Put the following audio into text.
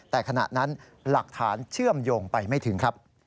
แต่ขณะนั้นหลักฐานเชื่อมโยงไปไม่ถึงครับ